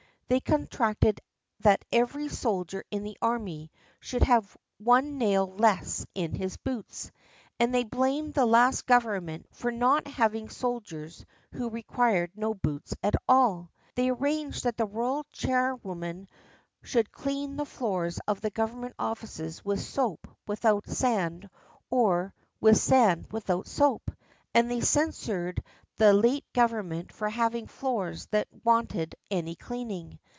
They contracted that every soldier in the army should have one nail less in his boots, and they blamed the last Government for not having soldiers who required no boots at all. They arranged that the royal charwomen should clean the floors of the Government offices with soap without sand or with sand without soap; and they censured the late Government for having floors that wanted any cleaning.